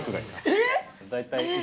えっ？